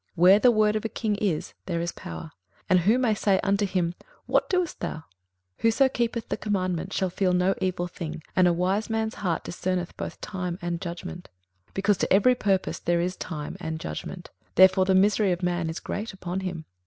21:008:004 Where the word of a king is, there is power: and who may say unto him, What doest thou? 21:008:005 Whoso keepeth the commandment shall feel no evil thing: and a wise man's heart discerneth both time and judgment. 21:008:006 Because to every purpose there is time and judgment, therefore the misery of man is great upon him.